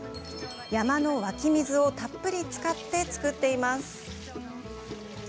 山の湧き水を、たっぷり使って作っています。